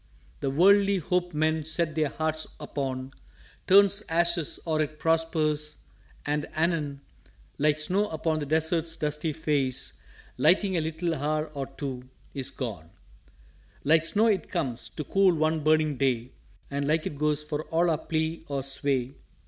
"_The worldly hope men set their hearts upon Turns Ashes or it prospers: and anon, Like Snow upon the Desert's dusty Face, Lighting a little hour or two is gone_." "Like Snow it comes to cool one burning Day; And like it goes for all our plea or sway.